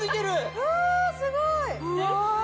うわすごい！